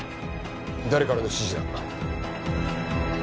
誰からの指示だ？